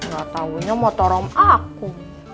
gatauinnya motorom aku